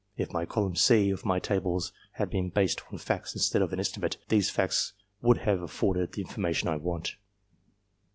If my column C of the tables had been based on facts instead of on estimate, those facts would have afforded the information I want.